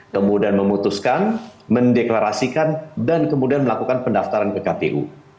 kemudian memutuskan mendeklarasikan dan kemudian melakukan pendaftaran ke kpu